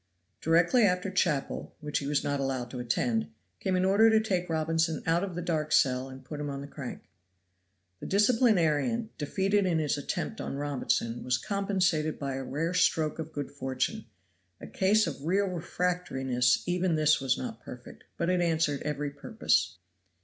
Directly after chapel, which he was not allowed to attend, came an order to take Robinson out of the dark cell and put him on the crank. The disciplinarian, defeated in his attempt on Robinson, was compensated by a rare stroke of good fortune a case of real refractoriness even this was not perfect, but it answered every purpose.